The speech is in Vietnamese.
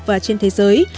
và trên thế giới